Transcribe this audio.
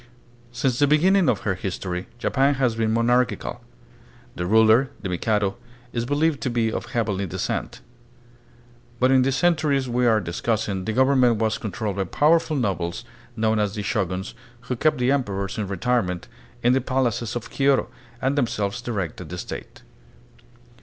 Since the beginning of her history, Japan has been monarchical. The ruler, the Mikado, is believed to be of heavenly descent; but in the centuries we are discussing the government was controlled by powerful nobles, known as the Shoguns, who kept the emperors in retirement in the palaces of Kyoto, and themselves directed the State.